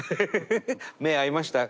目合いました？